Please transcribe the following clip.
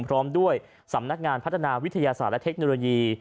พร้อมด้วยสำนักงานพัฒนาวิทยาศาสตร์และเทคโนโลยี